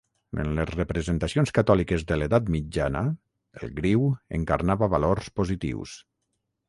En les representacions catòliques de l'edat mitjana, el griu encarnava valors positius.